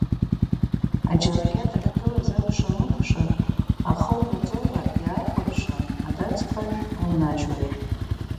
Аџьалакьат ахьгылаз акәша-мыкәша, ахоура-ҵоура, иаакәыршаны адац-ԥашә аунажьуеит.